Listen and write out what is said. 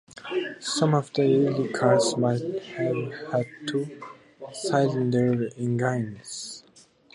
Some of the early cars might have had two-cylinder engines.